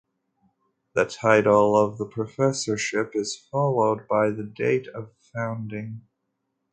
The title of the professorship is followed by the date of founding.